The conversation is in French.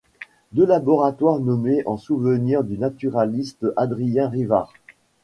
Deux laboratoires nommés en souvenir du naturaliste Adrien Rivard.